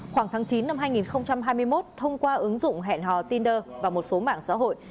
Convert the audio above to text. khoảng tháng chín năm hai nghìn hai mươi một thông qua ứng dụng hẹn hò tinder và một số mạng xã hội